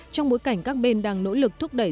trong bối cảnh các bên đang nỗ lực thúc đẩy